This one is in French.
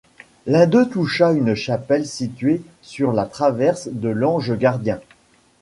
L'un deux toucha une chapelle située sur la Traverse de l'Ange Gardien.